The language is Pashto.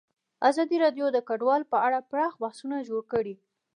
ازادي راډیو د کډوال په اړه پراخ بحثونه جوړ کړي.